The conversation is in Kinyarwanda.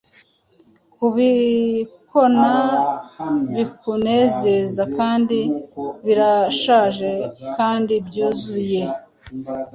Kubikona bikunezezakandi birashaje kandi byuzuye